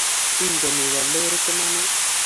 Inge iget lorit iman ooh